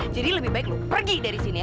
jadi lebih baik lo pergi dari sini ya